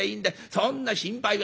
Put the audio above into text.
そんな心配は」。